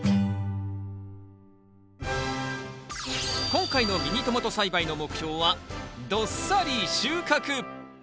今回のミニトマト栽培の目標はどっさり収穫。